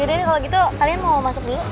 ya udah kalau gitu kalian mau masuk dulu